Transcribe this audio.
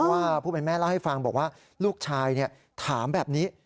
ว่าผู้เป็นแม่เล่าให้ฟังบอกว่าลูกชายถามแบบนี้